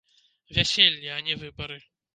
Вяселле, а не выбары!